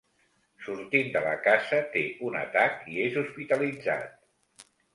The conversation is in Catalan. Sortint de la casa, té un atac i és hospitalitzat.